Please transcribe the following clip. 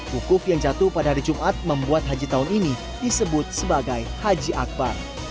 wukuf yang jatuh pada hari jumat membuat haji tahun ini disebut sebagai haji akbar